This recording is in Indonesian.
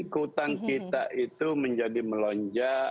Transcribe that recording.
keutang kita itu menjadi melompat